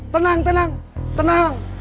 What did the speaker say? tenang tenang tenang